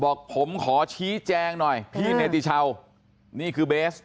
บอกผมขอชี้แจงหน่อยพี่เนติชาวนี่คือเบส